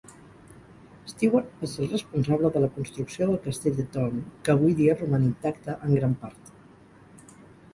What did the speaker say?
Stewart va ser el responsable de la construcció del castell de Doune, que avui dia roman intacte en gran part.